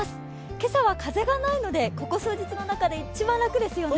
今朝は風がないのでここ数日の中で一番楽ですね。